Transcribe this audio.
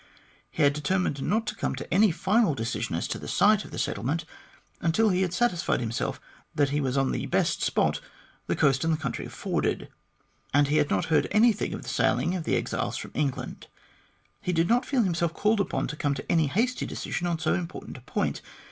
He had determined not to come to any final decision as to the site of the settlement until he had satisfied himself that he was on the best spot the coast and the country afforded ; and, as he had not heard anything of the sailing of the exiles from England, he did not feel himself called upon to come to any hasty decision on so important a point.